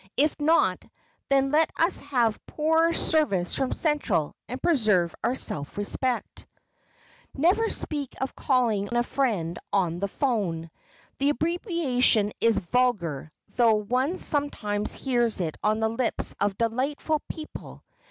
If not, then let us have poorer service from Central and preserve our self respect. Never speak of calling a friend on the "phone." The abbreviation is vulgar though one sometimes hears it on the lips of delightful people.